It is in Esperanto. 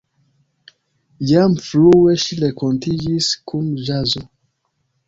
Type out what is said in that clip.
Jam frue ŝi renkontiĝis kun ĵazo.